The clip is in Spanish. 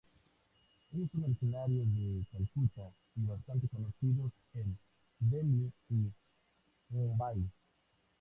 Ellos son originarios de Calcuta, y bastantes conocidos en Delhi y Mumbai.